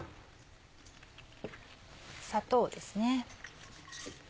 砂糖ですね。